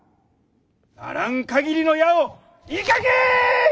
あらんかぎりの矢を射かけい！